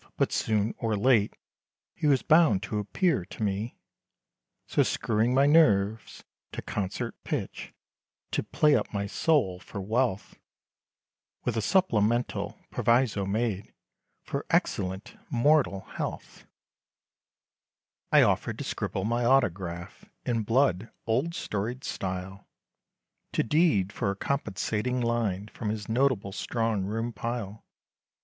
but soon, or late, He was bound to appear to me. So screwing my nerves, to concert pitch, To play up my soul, for wealth, With a supplemental proviso made, For excellent mortal health, I offered to scribble my autograph, In blood, old storied style, To deed, for a compensating line, From his notable strong room pile.